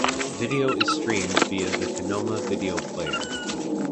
Video is streamed via the Kinoma Video Player.